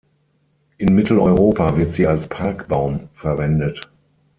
In Mitteleuropa wird sie als Parkbaum verwendet.